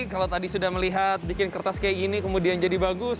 kalau tadi sudah melihat bikin kertas kayak gini kemudian jadi bagus